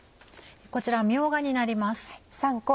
こちらみょうがになります。